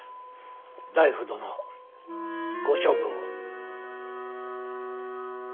内府殿ご処分を。